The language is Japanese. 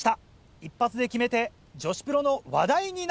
一発で決めて女子プロの話題になれるか？